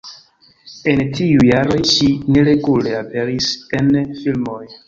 En tiuj jaroj, ŝi neregule aperis en filmoj.